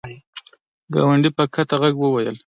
ګاونډي په کښته ږغ وویل !